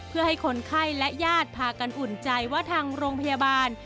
เพื่อให้คนไข้และญาติพากันอุ่นใจว่าทางโรงพยาบาล